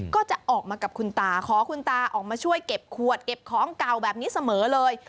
ก็จะออกมากับคุณตาขอคุณตาออกมาช่วยเก็บขวดเก็บของเก่าแบบนี้เสมอเลย